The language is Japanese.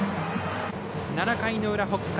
７回の裏、北海。